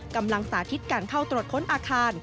สาธิตการเข้าตรวจค้นอาคาร